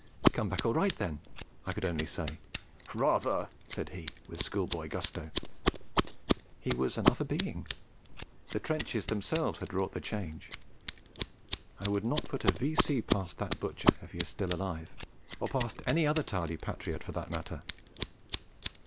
'Come back all right, then?' I could only say. 'Rather!' said he, with schoolboy gusto. He was another being; the trenches themselves had wrought the change. I would not put a V.C. past that butcher if he is still alive, or past any other tardy patriot for that matter.